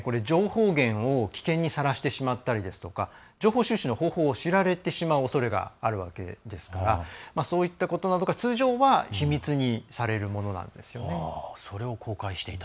情報源を危険にさらしてしまったり情報収集の方法を知られてしまうおそれがあるわけですからそういったことなどから、通常は秘密にされるものなんでよね。